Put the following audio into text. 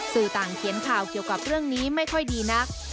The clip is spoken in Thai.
สื่อต่างเขียนข่าวเกี่ยวกับเรื่องนี้ไม่ค่อยดีนัก